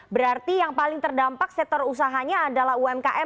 berarti yang paling terdampak sektor usahanya adalah umkm